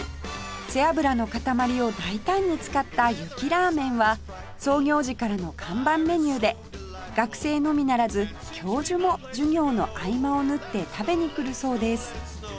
背脂の塊を大胆に使ったゆきラーメンは創業時からの看板メニューで学生のみならず教授も授業の合間を縫って食べに来るそうです